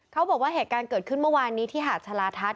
เขาบอกว่าเหตุการณ์เกิดขึ้นเมื่อวานนี้ที่หาดชาลาทัศน